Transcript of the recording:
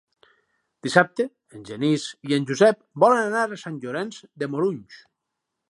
Dissabte en Genís i en Josep volen anar a Sant Llorenç de Morunys.